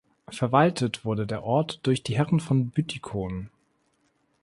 Verwaltet wurde der Ort durch die "Herren von Büttikon".